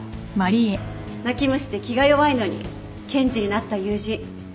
泣き虫で気が弱いのに検事になった友人。